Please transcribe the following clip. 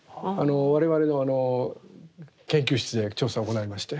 我々の研究室で調査を行いまして。